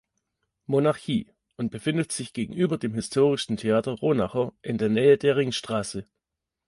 Monarchie und befindet sich gegenüber dem historischen Theater Ronacher in der Nähe der Ringstraße.